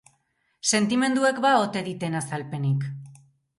Sentimenduek ba ote diten azalpenik?...